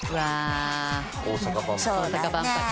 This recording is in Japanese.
大阪万博。